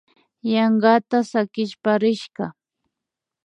Yankata sakishpa rishka